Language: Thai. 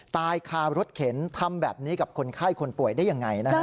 ตายคารถเข็นทำแบบนี้กับคนไข้คนป่วยได้ยังไงนะฮะ